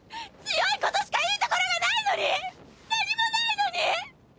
強いことしかいいところがないのに何もないのに！